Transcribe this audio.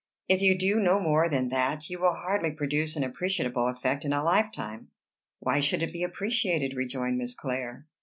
"If you do no more than that, you will hardly produce an appreciable effect in a lifetime." "Why should it be appreciated?" rejoined Miss Clare.